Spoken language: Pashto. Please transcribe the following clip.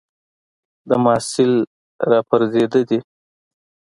د محصل را پرځېده دي